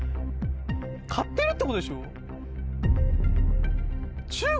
買ってるってことでしょ？